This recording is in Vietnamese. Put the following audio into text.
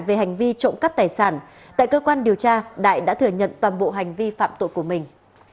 về hành vi trộm cắp tài sản tại cơ quan điều tra đại đã thừa nhận toàn bộ hành vi phạm tội của mình